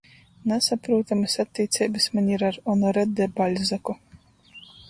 Nasaprūtamys attīceibys maņ ir ar Onore de Baļzaku.